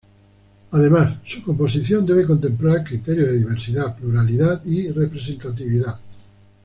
Además, su composición debe contemplar criterios de: diversidad, pluralidad y representatividad.